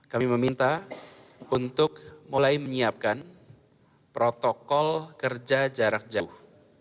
kami meminta untuk mulai menyiapkan protokol kerja jarak jauh